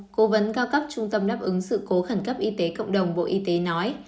cố vấn cao cấp trung tâm đáp ứng sự cố khẩn cấp y tế cộng đồng bộ y tế nói